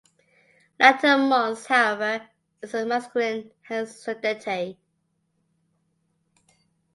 Latin mons, however, is a masculine, hence Sudeti.